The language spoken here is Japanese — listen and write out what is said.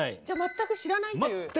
じゃあ全く知らないという。